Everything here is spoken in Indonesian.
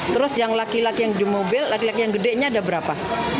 terus yang laki laki yang di mobil laki laki yang gedenya ada berapa